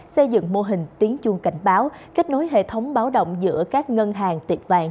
xây dựng mô hình tiếng chuông cảnh báo kết nối hệ thống báo động giữa các ngân hàng tiệc vàng